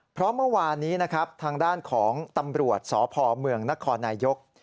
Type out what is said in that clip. เพราะเมื่อวานนี้นะครับทางด้านของตำรวจสพเมืองนครนายก